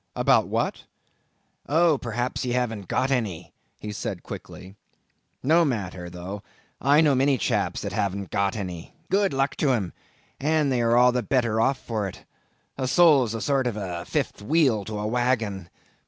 "About what?" "Oh, perhaps you hav'n't got any," he said quickly. "No matter though, I know many chaps that hav'n't got any,—good luck to 'em; and they are all the better off for it. A soul's a sort of a fifth wheel to a wagon."